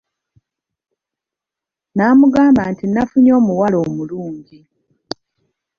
Namugamba nti nafunye omuwala omulungi,